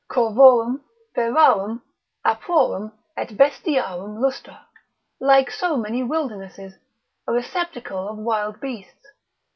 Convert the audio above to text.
Corvorum, ferarum, aprorum et bestiarum lustra, like so many wildernesses, a receptacle of wild beasts.